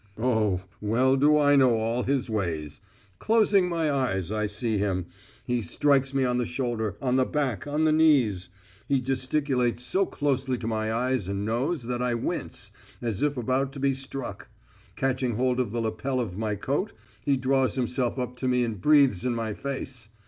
Oh, well do I know all his ways. Closing my eyes I see him. He strikes me on the shoulder, on the back, on the knees. He gesticulates so closely to my eyes and nose that I wince, as if about to be struck. Catching hold of the lappet of my coat, he draws himself up to me and breathes in my face.